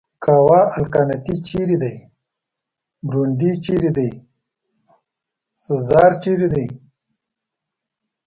کاوالکانتي چېرې دی؟ برونډي چېرې دی؟ سزار چېرې دی؟